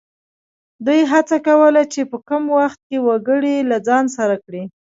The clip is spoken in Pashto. دوی هڅه کوله چې په کم وخت کې وګړي له ځان سره کړي.